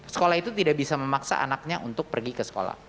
sekolah itu tidak bisa memaksa anaknya untuk pergi ke sekolah